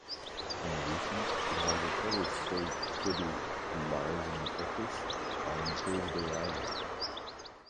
In addition, it has a Torres Strait Treaty Liaison Office on Thursday Island.